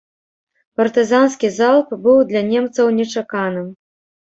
Партызанскі залп быў для немцаў нечаканым.